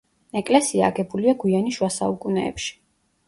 ეკლესია აგებულია გვიანი შუა საუკუნეებში.